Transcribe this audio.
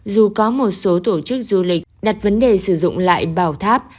dù có một số tổ chức du lịch đặt vấn đề sử dụng lại bảo tháp